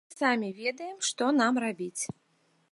Мы самі ведаем, што нам рабіць.